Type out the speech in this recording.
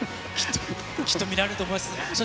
きっと見られると思います。